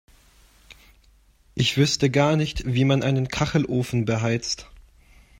Ich wüsste gar nicht, wie man einen Kachelofen beheizt.